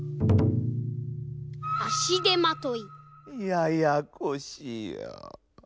ややこしや。